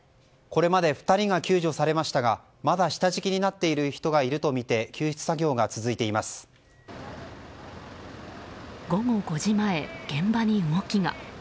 これまで２人が救助されましたがまだ下敷きになっている人がいるとみて午後５時前、現場に動きが。